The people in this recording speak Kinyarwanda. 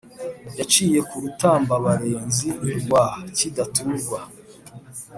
niciye ku rutambabarenzi rwa kidaturwa